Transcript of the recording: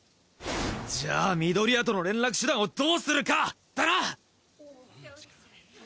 じゃあ緑谷との連絡手段をどうするか！？だな。